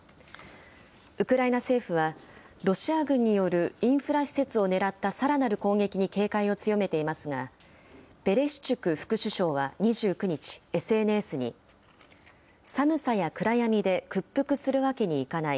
ウクライナ政府は、ロシア軍によるインフラ施設を狙ったさらなる攻撃に警戒を強めていますが、ベレシチュク副首相は２９日、ＳＮＳに寒さや暗闇で屈服するわけにいかない。